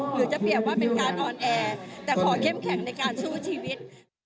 หรือจะเปรียบว่าเป็นการออนแอร์แต่ขอเข้มแข็งในการสู้ชีวิต